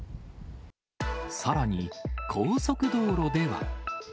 さらに高速道路では。